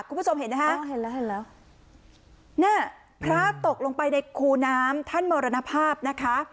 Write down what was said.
คุณผู้ชมเห็นนะคะเห็นแล้วเห็นแล้วเนี่ยพระตกลงไปในคูน้ำท่านมรณภาพนะคะ